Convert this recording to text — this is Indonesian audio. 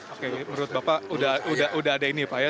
oke menurut bapak udah ada ini pak ya